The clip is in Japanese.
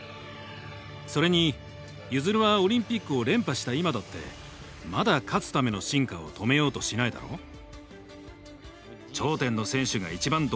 それにユヅルはオリンピックを連覇した今だってまだ「勝つ」ための進化を止めようとしないだろう？